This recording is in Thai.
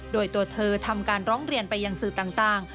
โดยตัวเธอทำการร้องเรียนไปยังสื่อต่าง